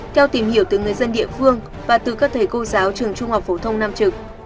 theo tìm hiểu từ người dân địa phương và từ các thầy cô giáo trường trung học phổ thông nam trực